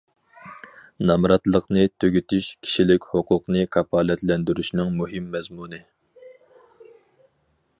نامراتلىقنى تۈگىتىش كىشىلىك ھوقۇقنى كاپالەتلەندۈرۈشنىڭ مۇھىم مەزمۇنى.